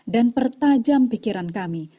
dan pertajam pikiran kami